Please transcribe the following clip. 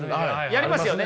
やりますよね。